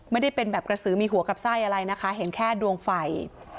ไม่ได้เป็นแบบกระสือมีหัวกับไส้อะไรนะคะเห็นแค่ดวงไฟ